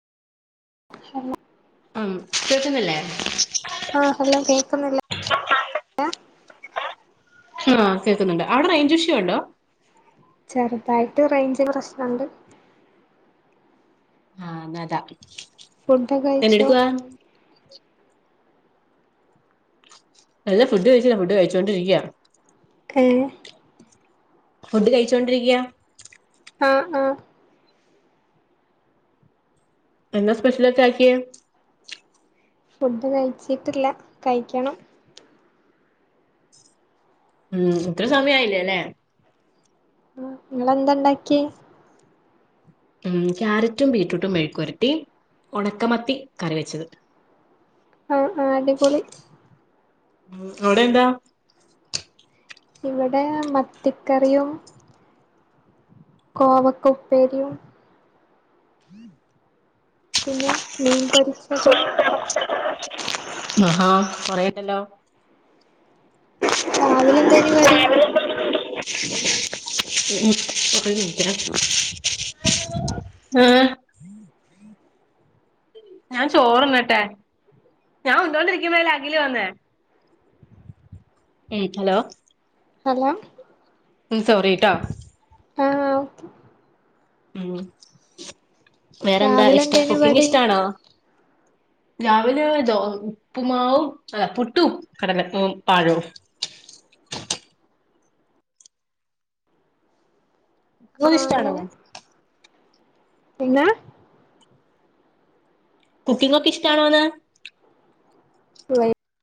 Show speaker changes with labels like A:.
A: hello
B: ഉം കേൾക്കുന്നില്ലേ
A: ആഹ് ഹലോ കേൾക്കുന്നില്ലേ
B: ആഹ് കേർക്കുന്നുണ്ട് അവിടെ റയ്ഞ്ച് ഇഷ്യു ഉണ്ടോ
A: ചെറുതായിട്ട് റേഞ്ച് പ്രശ്നണ്ട്
B: ആ ന്നാ അതാ
A: ഫുഡ്‌ ഒക്കെ കഴിച്ചോ
B: അല്ല ഫുഡ് കഴിച്ചില്ല ഫുഡ് കഴിച്ചുകൊണ്ടിരിക്ക
A: ഏ
B: ഫുഡ് കഴിച്ചോണ്ടിരിക്ക
A: ആഹ് ആഹ്
B: എന്നാ സ്പെഷ്യൽ ഒക്കെ ആക്കിയേ
A: ഫുഡ് കഴിച്ചിട്ടില്ല കഴിക്കണം
B: മ് ഇത്ര സമയായില്ലലേ
A: ആഹ് ഇങ്ങളെന്താ ഇണ്ടാക്കിയെ
B: ഉമ് ക്യാരറ്റും ബീട്രൂട്ടും മെഴക്ക്പുരട്ടി ഉണക്കമത്തി കറി വെച്ചത്
A: ആഹ് ആഹ് അടിപൊളി
B: അവിടെന്താ
A: ഇവടെ മത്തിക്കറിയും കോവക്ക ഉപ്പേരിയും പിന്നെ മീൻപൊരി
B: ചുട്ട അരച്ച ആഹാ കൊറെയുണ്ടല്ലോ
A: രാവിലെ എന്തേനി കടി
B: [inaudible] അഹ് [inaudible] ഞാൻ ചോറ്ന്നട്ടെ ഞാൻ ഉണ്ടോണ്ടിരിക്കുമ്പോ അല്ലെ അകില് വന്നേ ഏ ഹലോ
A: ഹലോ
B: മ് സോറിട്ടോ
A: ആഹ് ഓക്കേ
B: ഉം വേറെന്താ
A: രാവിലെ
B: ഇഷ്ടം
A: എന്തേനു
B: കുക്കിംഗ്‌
A: കടി
B: ഇഷ്ടാണോ രാവിലെ ദോ ഉപ്പുമാവും ഹേ പുട്ടും കടല പഴൊം ഇങ്ങൾക്ക്
A: ആഹ്
B: ഇഷ്ടാണോ
A: പിന്നെ
B: കുക്കിംഗൊക്കെ ഇഷ്ടാണോന്ന്
A: [inaudible]